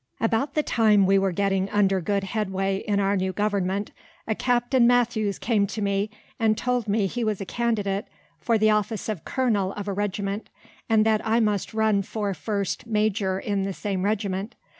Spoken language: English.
About the time we were getting under good headway in our new government, a Capt. Matthews came to me and told me he was a candidate for the office of colonel of a regiment, and that I must run for first major in the same regiment.